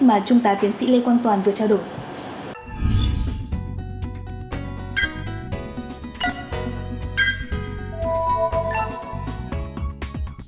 mà trung tá tiến sĩ lê quang toàn vừa trao đổi